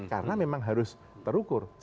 karena memang harus terukur